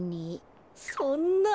そんな。